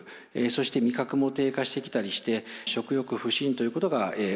そして味覚も低下してきたりして食欲不振ということが起きてまいります。